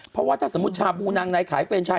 เพราะว่าถ้าสมมุติชาบูนางในขายเฟรนชาย